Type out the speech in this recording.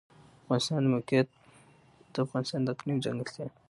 د افغانستان د موقعیت د افغانستان د اقلیم ځانګړتیا ده.